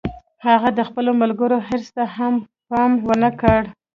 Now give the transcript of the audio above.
هغه د خپلو ملګرو حرص ته هم پام و نه کړ